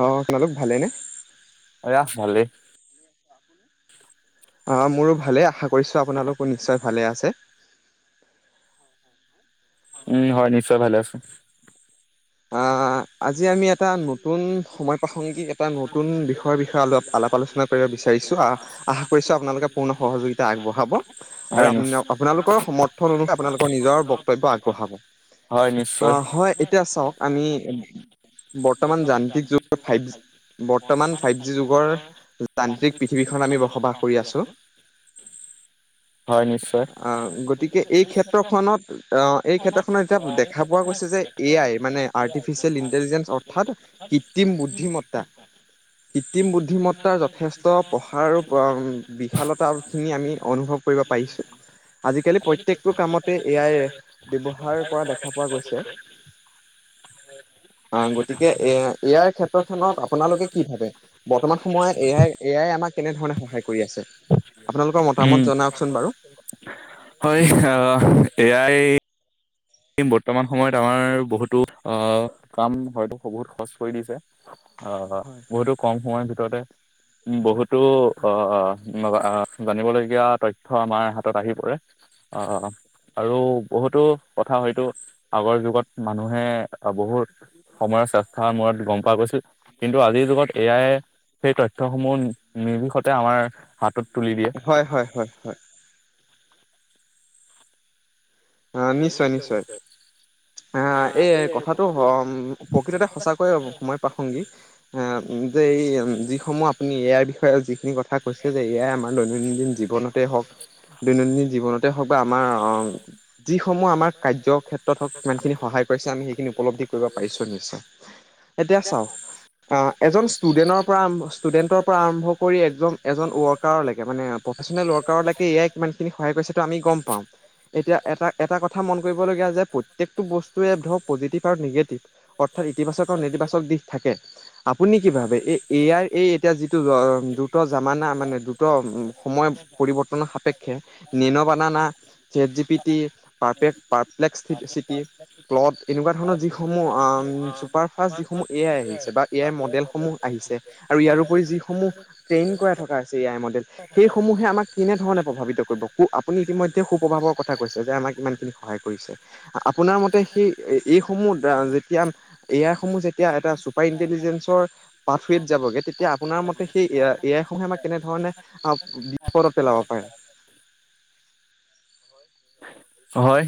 অ আপোনালোক ভালেনে? ৰাস মলি অ মোৰো ভালে। আশা কৰিছো আপোনালোকো নিশ্চয় ভালে আছে। উম হয় নিশ্চয় ভালে আছো। অ আ আজি আমি এটা নতুন সময় প্ৰাসংগিক এটা নতুন বিষয়ৰ বিষয়ে অলপ আলাপ আলোচনা কৰিব বিচাৰিছো আশা কৰিছো আপোনালোকে পূৰ্ণ সহযোগিতা আগবঢ়াব আৰু হয় আপ নিশ্চয় আপোনালোকৰ সমৰ্থন অনুসৰি আপোনালোকৰ নিজৰ বক্তব্য আগবঢ়াব হয় নিশ্চয় হয় এতিয়া চাওক আমি বৰ্তমান যান্ত্ৰিক যান্তিক যুগত ফাইভ জি যুগৰ বৰ্তমান খাদ্য যুগৰ যান্তিক পৃথিৱখন আমি বসবাস কৰি আছো হয় নিশ্চয় আহ গতিকে এই ক্ষেত্ৰত অ এই ক্ষেত্ৰখনত এতিয়া দেখা পোৱা গৈছে যে এয়াই মানে, আৰ্টিফিচিয়েল ইণ্টেলিজেঞ্চ অৰ্থাৎ কৃত্ৰিম বুদ্ধিমত্তা কৃত্ৰিম বুদ্ধিমত্তাৰ যথেষ্ট প্ৰঢ়াৰ আৰু বিশালতাখিনি আমি অনুভৱ কৰিব পাৰিছোঁ আজিকালি প্ৰত্যেকটো কামতে এ আই ব্যৱহাৰ কৰা দেখা পোৱা গৈছে। অ গতিকে এ এয়াৰ ক্ষেত্ৰ খত আপোনালোকে কি ভাবে বৰ্তমান সময়ত এয় এয়াই আমাৰ কেনেধৰণে সহায় কৰি আছে? আপোনালোকৰ উ মতামত জনাওকচোন বাৰু। হয় আহ এয়াই বৰ্তমান সময়ত আমাৰ বহুতো আহ কাম হয়তো বহুত সহজ কৰি দিছে। অ হয়। বহুতো কম সময়ৰ ভিতৰতে বহুতো আহ জানিবলগীয়া তথ্য আমাৰ হাতত আহি পৰে আহ আৰু বহুতো কথা হয়তো আগৰ যুগত মানুহে বহুত সময়ৰ চেষ্টা মূৰত গম পোৱা গৈছো কিন্তু আজিৰ যুগত এ আইয়ে সেই তথ্যসমূহ নিৰ্বিষতে আমাৰ হাতত তুলি দিয়ে হয় হয় হয় হয় আহ নিশ্চয় নিশ্চয় আহ এই কথাটো প্ৰকৃততে সঁচাকৈ সময় প্ৰাসংগিক আহ যে এই যিসমূহ আপুনি ইয়াৰ বিষয়ে যিখিনি কথা কথা কৈছে যে এয়াই আমাৰ দৈননন্দিন জীৱনতে হওক দৈনন্দিন জীৱনতে হওক বা আমাৰ যিসমূহ আমাৰ কাৰ্য কেত্ৰত হওক ইমানখিনি সহায় কৰিছে আমি সেইখিনি উপলব্ধি কৰিব পাৰিছোঁ নিশ্চয় এতিয়া চাওক এজন ষ্টুডেণ্টৰ পৰা আৰম্ ষ্টুডেণ্টৰ পৰা আৰম্ভ কৰি এজন এজন ৱৰ্কাৰ লাগে মানে প্ৰফেচনেল ৱৰ্কাৰলৈকে এয়াই ক কিমানখিনি সহায় কৰিছে টো আমি গম পাওঁ এতিয়া। এটা এটা কথা মন কৰিবলগীয়া যে প্ৰত্যেকটো বস্তুৱে ধৰক পজিটিভ আৰু নিগেটিভ, অৰ্থাৎ ইতিবাচক আৰু নেতিবাচক দিশ থাকে, আপুনি কি ভাবে এই এ আই এতিয়া যিটো দ্ৰুত জামানা মানে দ্ৰুত সময় পৰিৱৰ্তনৰ সাপেক্ষে নিৰ্ণ banana ChatGPT পাৰপ্লেক্স city Claude এনেকুৱা ধৰণৰ যিসমূহ আহ চুপাৰ ফাষ্ট যিসমূহ এ আই আহিছে, বা এ আই মডেলসমূহ আহিছে, আৰু ইয়াৰপৰি যিসমূহ ট্ৰেইন কৰাই থকা আছিল সেইসমূহে আমাক কেনেধৰণে প্ৰভাৱিত কৰিব ক আপুনি ইতিমধ্যে সু প্ৰভাৱ কথা কৈছে যে আমাক ইমানখিনি সহায় কৰিছে আপোনাৰ মতে সেই এইসমূহ যেতিয়া এ আই সমূহ যেতিয়া এটা চুপাৰ ইণ্টেলিজেঞ্চৰ পাথৱত যাবগে তেতিয়া আপোনাৰ মতে সেই এ আইসমূহে আমাক কেনেধৰ বিপদত পেলাব পাৰে। হয়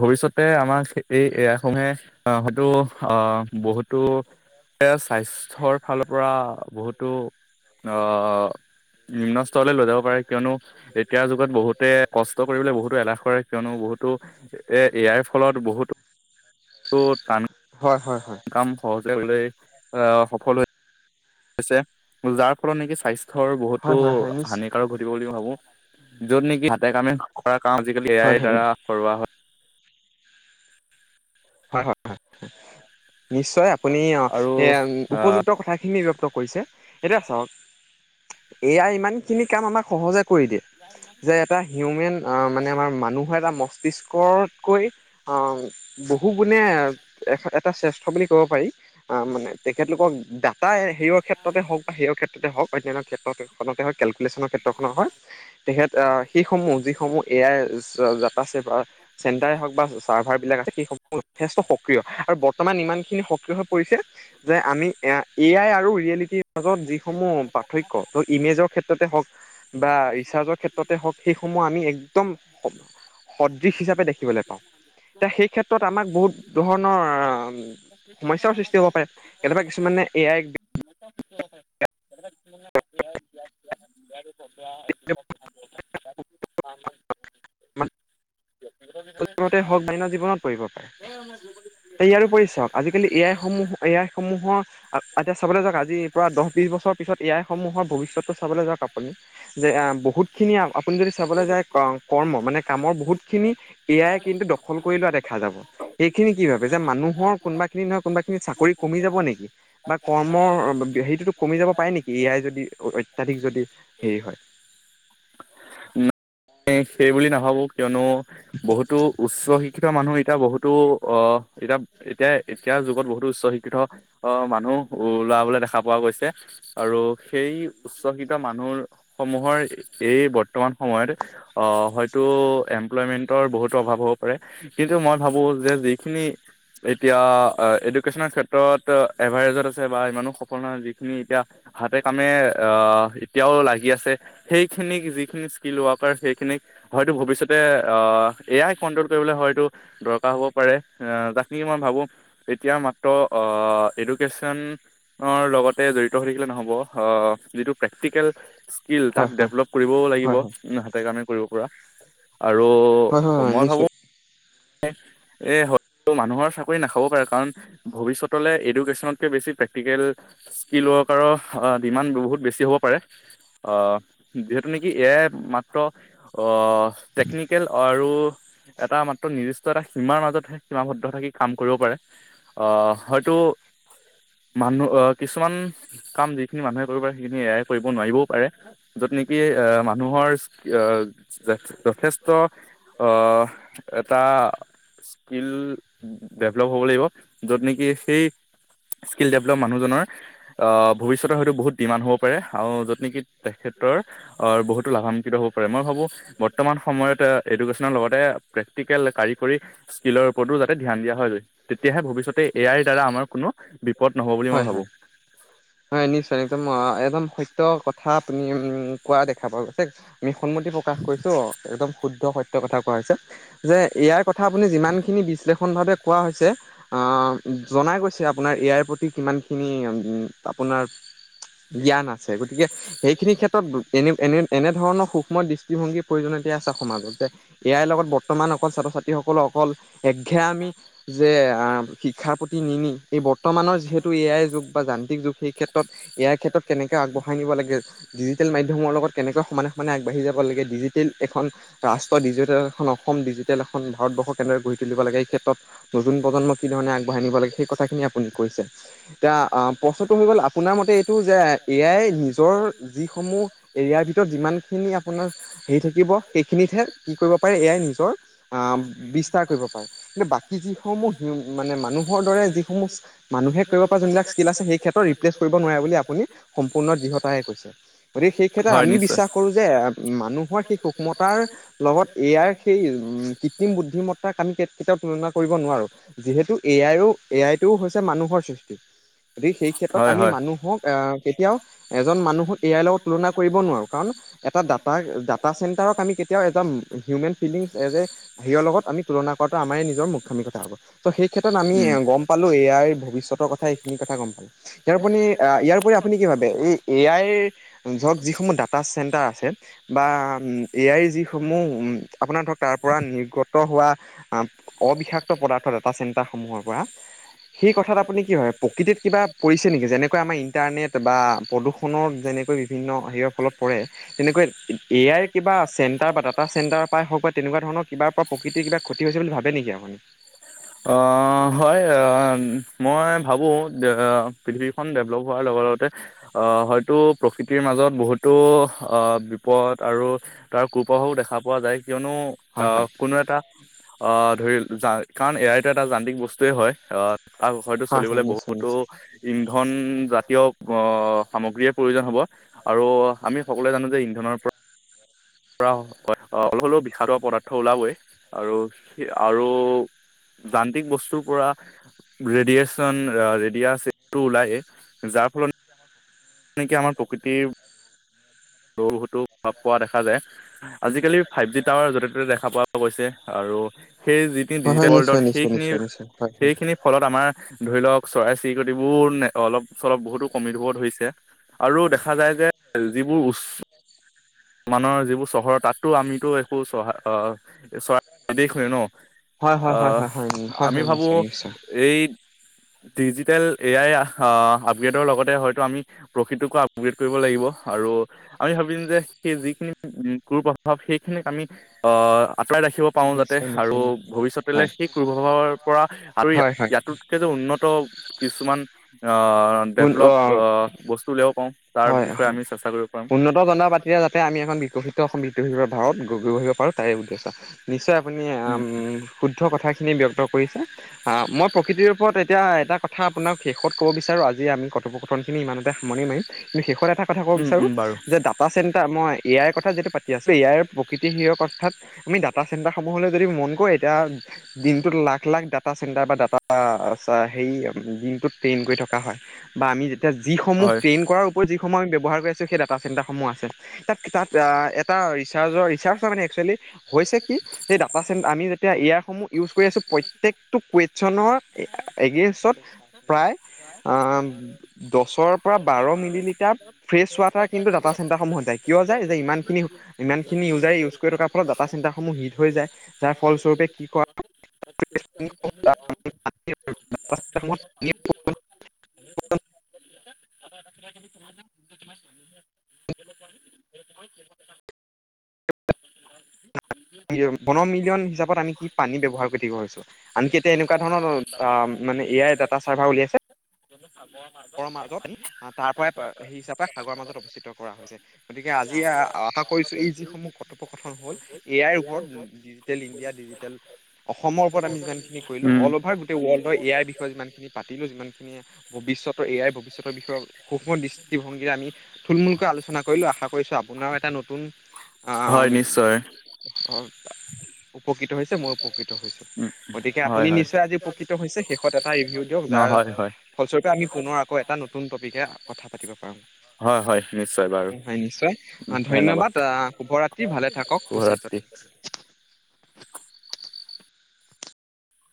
ভৱিষ্যতে আমাক এই এয়া সমূহে আহ হয়তো আহ বহুতো স্বাস্থ্যৰ ফালৰ পৰা বহুতো আহ নিম্ন স্তৰলৈ লৈ যাব পাৰে [unintelligible] কিয়নো, এতিয়াৰ যুগত বহুতে কষ্ট কৰিবলে বহুত। কিয়নো বহুতো এ, অই ফলত বহুতো। হয় হয় হয়। কাম আহ সহজে সফল হৈ। হৈছে যাৰ ফলত নেকি স্বস্থ। ৰ বহুতো হয় হয় হয় নিশ্চ হানিকাৰক ঘটিব বুলি মই ভাবো। য'ত নেকি, হাতে কামে কৰা। কাম আজিকালি। এ হয় আইৰ হয় দ্বাৰা কৰোৱা হয়। হয় হয় হয়, নিশ্চয়। আপুনি অ আৰু এ উপযুক্ত আহ কথাখিনি ব্যক্ত [unintelligible] এতিয়া চাওক, এ আই ইমানখিনি কাম অমাক সহজে। কৰি দিয়ে, যে এটা হিওমেন আ মানে আমা মানুহৰ। ৈ [unintelligible] বহু গুণে এ এটা শ্ৰেষ্ঠ বুলি ক'ব পাৰি, আ মানে তেখেতলোকক ডাটাাই। সেই কেত্ৰতে হওক বা সেইৰ ক্ষেত্ৰতে হওক। অন্যান্য ক্ষেত্ৰত খনতে হওক। ক্ষেত্ৰখনৰ হয় তেখেত। আহ সেইসমূহ, যিসমূহ এয়াই যাত্ৰা আছে বা। চেণ্টাৰে হওক বা চাৰ্ভাৰ। বিলাক আছে। যথেষ্ট সক্ৰিয় আৰু বৰ্তমান ইমানখিনি সক্ৰিয় হৈ পৰিছে। যে আমি এ আই আৰু ৰিয়েলিটিৰ মাজত যিসমূহ পাৰ্থক্য বা, ইমেজৰ ক্ষেত্ৰতে হওক। বা ৰিচাৰ্জৰ ক্ষেত্ৰতে হওঁক সেইসমূহ আমি একদম সদৃশ হিচাপে দেখিবলৈ পাওঁ। এ সেই ক্ষেত্ৰত। আমাক। বহুত ধৰণৰ। সমস্যাৰও সৃষ্টি হ'ব পাৰে, কেতিয়াবা কিছুমানে এয়াই। বিয়া [unintelligible] [unintelligible] প্ৰথমতে হওক, অন্য জীৱনত পৰিব। ইয়াৰো উপৰি চাওক, আজিকালি এ আই সমূহ এ আই সমূহ। মুঠ। এতিয়া চাবলৈ যাওক আজি পৰা দহ বিশ বছৰৰ পিছত এ আইসমূহৰ ভৱিষ্যতটো চাবলৈ যাওক। আপুনি যে বহুতখিনি আপুনি যদি চাবলৈ যায় কৰ্ম মানে কামৰ বহুতখিনি। এয়াই কিন্তু দখল। কৰি লোৱা দেখা যাব স। খিনি কি ভাবে যে মানুৰ কোনোবা খিনিনহয় কোনোবা। চাকৰি কমি যাব নেকি? বা কৰ্মৰ হেটো। কমি যাব পাৰে নেকি ইয়াই যদি অত্যাধিক যদি হেৰি হয়। এ সেই বুলি নাভাবো কিয়নো। বহুতো উচ্চ শিক্ষিত মানুহ। এতিয়া বহুতো অহ এতিয়া এতিয়া এতিয়াৰ যুগত বহুতো উচ্চ শিক্ষিত মানুহ লৰাবলে দেখা পোৱা গৈছে আৰু সেই উচ্চ শিক্ষিত মানুহ সমূহৰ এই বৰ্তমান সময়ত। অ হয়তো এম। এমপ্লয়মেণ্টৰ বহুতো অভাৱ হ'ব পাৰে কিন্তু মই ভাবোঁ যে যিখিনি এতিয়া এডুকেশ্যনৰ ক্ষেত্ৰত এভাৰেজত আছে বা ইমানো সফল নহয় যিখিনি এতিয়া হাতে কামে এতিয়াও লাগি আছে সেইখিনিক যিখিনি স্কীল ৱৰ্ক। সেইখিনিক হয়তো ভৱিষ্যতে এয়াই ক। হয়তো দৰ কাৰ হব পাৰে যাক নিকি মই ভাবো এতিয়া মাত্ৰ ইডোকেচন। এডুকেশ্বন নৰ লগতে জঢ়িত হৈ থাকিলে নহব অ যিটো পেক্তিকেল? কিল তাক হয় হয় ডেভলপ কৰিবও লাগিব। হয় হয় হাতে কামে কৰিব পৰা? আৰু হয় হয় হয় মই ভাবো। নিশ্চয় এ হয় মানুহৰ চাকৰি নাখাব পাৰে কাৰণ ভৱিষ্যতলৈ এডুকেশ্যনতকৈ বেছি প্ৰেক্টিকেল স্কিল ৱৰ্কাৰৰ ডিমাণ্ড বহুত বেছি হ'ব পাৰে যিহেতু নেকি এয়াই মাত্ৰ অ। টেকনিকেল আৰু। এটা মাত্ৰ। নিৰ্দিষ্ট এটা সীমাৰ মাজতহে সীমাবদ্ধ থাকি কাম কৰিব পাৰে আহ হয়তো মানুহ অহ কিছুমান কাম যিখিনি মানুহে কৰিব পাৰে সেইখিনি এয়াই কৰিব নোৱাৰিবও পাৰে য'ত নেকি অঁহ মানুহৰ আহ যথেষ্ট অহ। এটা স্কিল ডেভেলপ হ'ব লাগিব য'ত নেকি সেই স্কিল ডেভেলপ মানুহজনৰ ভৱিষ্যতৰ হয়তো বহুত ডিমাণ্ড হ'ব পাৰে আৰু য'ত নেকি তেখেতৰ বহুতো লাভান্বিত হ'ব পাৰে মই ভাবোঁ বৰ্তমান সময়ত এডুকেশ্যনৰ লগতে। প্ৰেক্টিকেল কাৰিকৰী স্কিলৰ ওপৰতো যাতে ধ্যান দিয়া হয় তেতিয়াহে ভৱি্যতে এয়াই দ্বাৰা আমাৰ কোনো বিপদ নহব বুলি মই হয় হয় ভাবো? হয় নিশ্চয় একদম একদম সত্য কথা। আ কোৱা দেখা পোৱা গৈছে আমি সন্মতি প্ৰকাশ কৰিছোঁ একদম শুদ্ধ সত্যৰ কথা কোৱা হৈছে যে। ইয়াৰ কথা আপুনি যিমানখিনি বিশ্লেষ। সম্ভাৱে কোৱা হৈছে জনাই গৈছে আপোনাৰ এইয়াৰ প্ৰতি কিমানখিনি। আপোনাৰ জ্ঞান আছে। গতিকে সেইখিনি ক্ষেত্ৰত এনেনে এনেধৰণৰ সুক্ষ্ম দৃষ্টিভংগী। প্ৰয়োজনীয়তা আছে সমাজতে। ইয়াৰ লগত বৰ্তমান অকল ছাত্ৰ ছাত্ৰীসকলক। অল একঘামী আমি যে শিক্ষাৰ প্ৰতি নি নি। এই বৰ্তমানৰ যিহেতু এ আই যুগ বা যান্ত্ৰিক যুগ। সেই ক্ষেত্ৰত ইয়াৰ ক্ষেত্ৰত কেনেকৈ আগবঢ়াই নিব লাগে ডিজিটেল মাধ্যমৰ লগত কেনেকৈ সমানে সমানে আগবাঢ়ি যাব লাগে ডিজিটেল এখন ৰাষ্ট্ৰ ডিজিটেল এখন অসম ডিজিটেল এখন ভাৰতবৰ্ষ কেনেদৰে গঢ়ি। তুলিব লাগে, এই ক্ষেত্ৰত নতুন প্ৰজন্ম কি ধৰণে আগবঢ়াই নিব লাগে সেইকথাখিনি আপুনি কৈছে। এতিয়া অ পচত আপোনাৰ মতে এইটো যে, এ আই নিজৰ যি সমূহ ইয়াৰ ভিতৰত যিমান খিনিয়ে আপোনাৰ হেৰি থাকিব সেইখিনিতে কি কৰিব পাৰে এ আই নিজৰ বিস্তাৰ কৰিব পাৰে কিন্তু বাকী যি সমূহ মানে মানুহৰ দৰে যিসমূহ মানুহে কৰিব ধৰিব পৰা পাৰা যোনবিলাক যিমানখিনি স্কিল ধৰিব আছে পাৰে। সেই [inaudible] ক্ষেত্ৰত ৰিপ্লেচ কৰিব নোৱাৰে বুলি আপুনি সম্পূৰ্ণ দৃঢ়তাৰে কৈছে গতিকে সেই ক্ষেত্ৰত হয় আমি নিশ্চয় বিশ্বাস কৰো যে মানুহৰ সেই সূক্ষ্মতাৰ লগত এ আইৰ সেই কৃত্ৰিম বুদ্ধিমত্তাক আমি কেতিয়াও তুলনা কৰিব নোৱাৰোঁ, যিহেতু এ আই এ আইটো হৈছে মানুহৰ গতিকে সেই ক্ষেত্ৰত হয় আমি হয় মানুহক এ কেতিয়াও এজন মানুহ এ আই লগত তুলনা কৰিব নোৱাৰো কাৰণ এটাত তাৰ ডাটা চেণ্টাৰক আমি কেতিয়াও এজন হিউমেন ফিলিংছ এজ এ হেৰি লগত আমি তুলনা কৰাটো আমাৰে নিজৰ মুৰ্খামি কথা হ'ব। চ' সেই ক্ষেত্ৰত আমি উম গম পালোঁ এ আই ভৱিষ্যতৰ কথা এইখিনি কথা গম ইয়াৰ আপুনি, এ ইয়াৰওপৰি আপুনি কি ভাবে এয়াইৰ, এ আইৰ ধৰক যিসমূহ ডাটা চেণ্টাৰ আছে বা এ আইৰ যিসমূহ আপোনাৰ ধৰক তাৰ পৰা নিৰ্গত হোৱা অবিষাক্ত পদাৰ্থ ডাটা চেণ্টাৰসমূহৰ পৰা সেই কথাত আপুনি কি ভাবে প্ৰকৃতিত কিবা পৰিছে নেকি যেনেকৈ আমাৰ ইণ্টাৰনেট বা প্ৰদূষণৰ যেনেকৈ বিভিন্ন হেৰিৰ ফলত পৰে তেনেকৈ এ আইৰ কিবা চেণ্টাৰ বা ডাটা চেণ্টাৰ পৰাই হওক বা তেনেকুৱা ধৰণৰ কিবাৰ পৰা প্ৰকৃতিৰ কিবা ক্ষতি হৈছে বুলি ভাবে নেকি আপুনি? অ' হয় আহ মই ভাবো যে পৃথিৱীখন ডেভলপ হোৱাৰ লগে লগতে হয়তো প্ৰকৃতিৰ মাজত বহুতো বিপদ আৰু তাৰ কুপ্ৰভাৱ দেখা পোৱা যায়। কিয়নো, অ হয় হয় কোনো এটা অ ধৰি যা, কাৰণ এ আইতো এটা যান্ত্ৰিক বস্তুৱে হয় তাৰ হয়টো হয় চলিবলে হয় নিশ্চয় বহুতো নিশ্চয় ইন্ধন জাতীয় প সামগ্ৰীৰ প্ৰয়োজন হ'ব আৰু আমি সকলোৱে জানো যে ইন্ধনৰ পৰা অলপ হ'লেও বিষাক্ত পদাৰ্থ ওলাবই আৰু, আৰু যান্ত্ৰিক বস্তুৰ পৰা ৰেডিয়েছ ৰেডিয়াছটো ওলাই, যাৰ ফলত তেনেকে আমাৰ প্ৰকৃতিৰ বহুতো প্ৰভাৱ পোৱা দেখা যায়। আজিকালি ফাইভ জি টাৱাৰ য'তে ত'তে দেখা পোৱা গৈছে আৰু সেই যিখিনি হয় ডিজিটেল হয় ৱৰ্ল্ডত নিশ্চয় নিশ্চয় সেইখিনি, নিশ্চয় নিশ্চয় সেইখিনি ফলত আমাৰ ধৰি লওক চৰাই চিৰিকটিবোৰ অলপ চলপ বহুতো কমি ধৰিব ধৰিছে। আৰু দেখা যায় যে যিবোৰ উচ্চ মানৰ যিবোৰ চহৰৰ তাততো আমিতো একো চহ চৰা নিৰ্দেশ ল ন। হয় হয় হয় আহ, হয় হয় হয় হয় হয় আমি হয় ভাবোঁ নিশ্চয় নিশ্চয় এই ডিজিটেল এ আই আপগ্ৰেডৰ লগতে হয়তো আমি প্ৰকৃটোকো আপগ্ৰেড কৰিব লাগিব আৰু আমি ভাবিম যে সেই যিখিনি উম কুুৰ প্ৰভাৱ সেইখিনিক আমি আহ আঁতৰাই ৰাখিব পাৰো যাতে নিশ্চয় আৰু নিশ্চয় ভৱিষ্যতলৈ হয় সেই কূপ্ৰভাৰৰ পৰা আৰু ইয়া হয় ইয়াটোতকে যে উন্নত কিছুমান অ, হয় ডেভলপ হয় অহ, বস্তু লৈও কওঁ। তাৰ হয় বিষয়ে আমি চেষ্টা কৰিব পাৰিম। উন্নত জনৰ পাতিৰে যাতে আমি এখন বিকশিত অসম বি্তা [inaudible] ৰ ভাৰত গঢ়িব পাৰো। তাই বুধি আছা। [unintelligible] নিশ্চয় আপুনি উম ', শুদ্ধ কথাখিনি ব্যক্ত কৰিছে। মই প্ৰকৃতিৰ ওপৰত এতিয়া এটা কথা আপোনাক শেষত ক'ব বিচাৰোঁ আজি আমি কথূপ কথন খিনি ইমানতে সামনি মাৰিম। শেষত এটা কথা ক'ব উম বিচাৰো উম বাৰু যে ডাটা চেণ্টাৰ মই এ আইৰ কথা যিটো পাতি আছো এ আইৰ প্ৰকৃতি হিৰ অৰ্থাত- আমি ডাটা চেণ্টাৰসমূহলৈ যদি মন কৰো এতিয়া দিনটোত লাখ- লাখ ডাটা চেণ্টাৰ বা ডাটা হেৰি দিনটোত ট্ৰেইন কৰি থকা হয় বা আমি এতিয়া যিসমূহ হয় ট্ৰেইন কৰাৰ সময় ব্যৱহাৰ কৰি আছে সেই ডাটা চেণ্টাৰ সমূহ আছে তাত এটা ৰিছাৰ্চৰ- ৰিছাৰ্চৰ মানে একচুৱেলী হৈছে কি সেই ডাটাচেণ্ট আমি এতিয়া ইয়াত সমূহ ইউজ কৰি আছে প্ৰত্যেকটো কোৱেইছনৰ এগেঞ্চত প্ৰায় আঁহ ', দহৰ পৰা বাৰ মিলি ফ্ৰেছ ৱাটাৰ কিন্তু ডাটা চেণ্টাৰসমূহ যায় কিয় যায় যে ইমানখিনি -ইমানখিনি ইউজাৰে -ইউজ কৰি থকাৰ ফলত চেণ্টাৰসমূহ হিট হৈ যায়। যাৰ ফলস্বৰূপে কি কৰা চ [inaudible] [unintelligible] [unintelligible] [unintelligible] বনমিলিয়ন হিচাপত আমি কি পানী ব্যৱহাৰ কৰি থাকিব হৈছোঁ আনকি এতিয়া এনেকুৱা ধৰণৰ অহ ', মানে এয়াই ডাটা চাৰ্ভাৰ উলিয়াইছে সাগৰৰ চয় মাজত পানী তাৰ পৰাই সেই হিচাপে চাহ সাগৰৰ মাজত অৱস্থিত [unintelligible] [unintelligible] কৰা হৈছে। গতিকে আজি আশা কৰিছো এই যিসমূহ কথূপ কথন কথন হ'ল এ আই ওপৰত ডিজিটেল ইণ্ডিয়া ডিজিটেল অসমৰ ওপৰত আমি যিমান কৰিলো উম অল অভাৰ গোটেই ৱৰ্ল্ড এ আই বিষয়ে যিমান খিনি পাতিলো সিমান খিনিয়ে ভৱিষ্যত এ আই ভৱিষ্যতৰ বিষয়ে সুক্ষ্ম দৃষ্টিভংগীৰে আমি থুলমূলকৈ আলোচনা কৰিলো আশা কৰিছো আপোনাৰ এটা নতুন হয় নিশ্চয়। অ', উপকৃত হৈছে মই উপকৃত হৈছো। উম গতিকে হয় আপুনি হয় নিশ্চয় আজি উপকৃত হৈছে শেষত এটা ৰিভিউ দিয়ক অ যাৰ হয় হয় ফল স্বৰূপে আমি পুনৰ আকৌ এটা নতুন টপিকে কথা পাতিব পাৰো। হয় হয় নিশ্চয় বাৰু হয়, নিশ্চয় ধন্যবাদ আহ শুভ ৰাত্ৰি বাকী [unintelligible] ভালে। থাকক সুস্বাস্থ্য শুভৰাত্ৰি থাকক